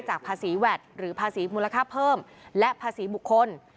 ภาษีแวดหรือภาษีมูลค่าเพิ่มและภาษีบุคคล